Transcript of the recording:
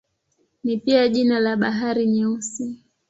Ni pia jina la Bahari Nyeusi.